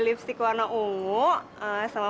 lipstick warna ungu sama